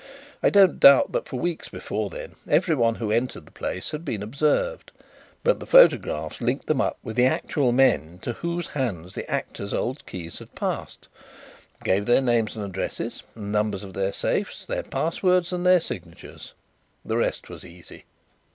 I don't doubt that for weeks before then everyone who entered the place had been observed, but the photographs linked them up with the actual men into whose hands the 'Actor's' old keys had passed gave their names and addresses, the numbers of their safes, their passwords and signatures. The rest was easy."